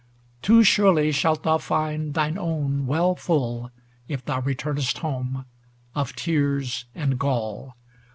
too surely shalt thou find Thine own well full, if thou returnest home, Of tears and gall.